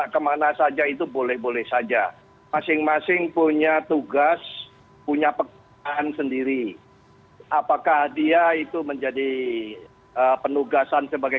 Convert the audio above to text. ketua dpp pdi perjuangan